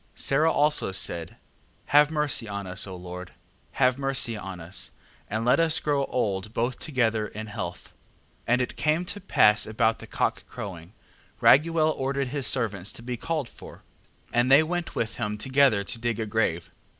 8:10. Sara also said: Have mercy on us, O Lord, have mercy on us, and let us grow old both together in health. 8:11. And it came to pass about the cockcrowing, Raguel ordered his servants to be called for, and they went with him together to dig a grave.